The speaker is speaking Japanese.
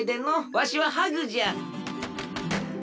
わしはハグじゃ。